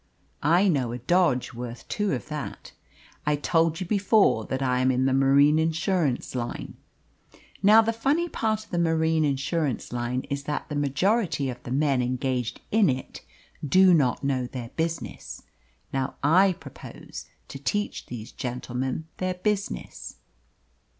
I know a dodge worth two of that! I told you before that I am in the marine insurance line. Now, the funny part of the marine insurance line is that the majority of the men engaged in it do not know their business. Now I propose to teach these gentlemen their business."